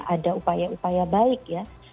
ada upaya upaya baik ya